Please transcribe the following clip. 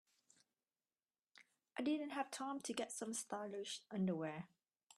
I didn't have time to get some stylish underwear.